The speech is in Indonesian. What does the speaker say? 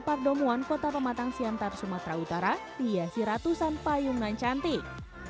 pak domuan kota pematang siantar sumatera utara dihasil ratusan payungan cantik